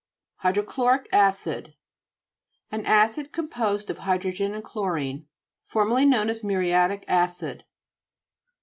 HYDROCHLORIC ACID An acid com posed of hydrogen and chlorine, formerly known as muriatic acid.